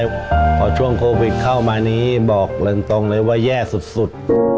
แต่พอช่วงศพเข้ามาเดินตรงในบอกว่าแย่สุด